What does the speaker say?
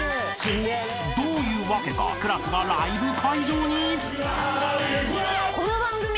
［どういうわけかクラスがライブ会場に］